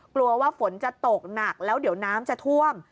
กลัวว่าฝนจะตกหนักแล้วเดี๋ยวน้ำจะท่วม